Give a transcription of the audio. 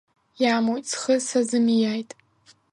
Иамуит, схы сзазымиааит.